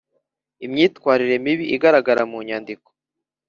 Imyitwarire mibi igaragara mu nyandiko